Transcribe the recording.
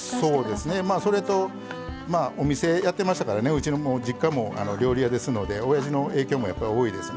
それとお店やってましたからうちの実家も料理屋ですのでおやじの影響も多いですね。